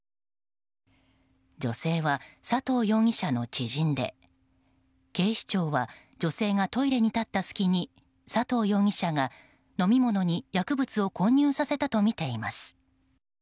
女性は佐藤容疑者の知人で警視庁は女性がトイレに立った隙に佐藤容疑者が飲み物に薬物を混入させたとみています。